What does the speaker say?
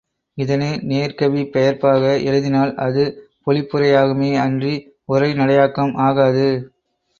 இதனை நேர் கவி பெயர்ப்பாக எழுதினால் அது பொழிப்புரையாகுமே அன்றி உரை நடையாக்கம் ஆகாது.